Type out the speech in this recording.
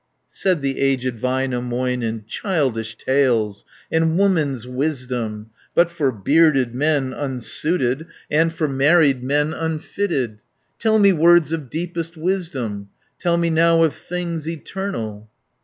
Said the aged Väinämöinen, "Childish tales, and woman's wisdom, But for bearded men unsuited, And for married men unfitted. Tell me words of deepest wisdom. Tell me now of things eternal."